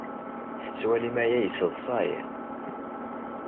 Tettwalim aya yesseḍsay?